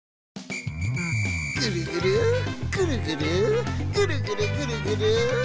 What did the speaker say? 「ぐるぐるぐるぐるぐるぐるぐるぐる」